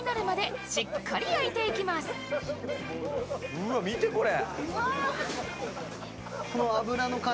うわっ、見てこれ。